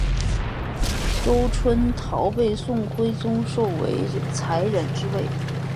周春桃被宋徽宗授为才人之位。